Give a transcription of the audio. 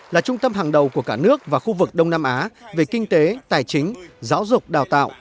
là trung tâm hàng đầu của cả nước và khu vực đông nam á về kinh tế tài chính giáo dục đào tạo